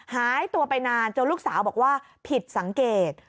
หายตัวไปนานจนลูกสาวบอกว่าผิดสังเกต